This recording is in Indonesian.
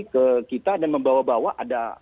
ke kita dan membawa bawa ada